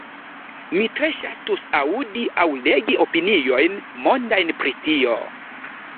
Mi tre ŝatus aŭdi aŭ legi opiniojn mondajn pri tio...